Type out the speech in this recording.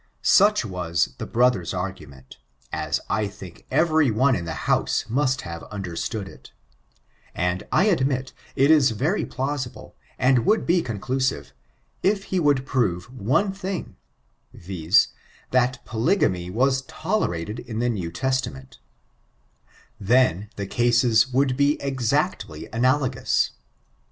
Such was the brother's argument, as I think every one in the house must have understood it ; and, I admit, it k very plausible, and would be conclusive, if he wouU prove one thing, viz: that polygamy is toUraied in the New Testament Then, the cases would be exactly analogous.